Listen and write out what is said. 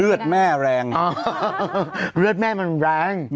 เลือดแม่แรงอ๋อเลือดแม่มันแรง